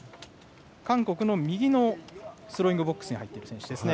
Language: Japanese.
韓国の右のスローイングボックスに入っている選手ですね。